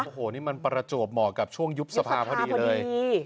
โอ้โหนี่มันประจวบเหมาะกับช่วงยุบสภาพอดีเลย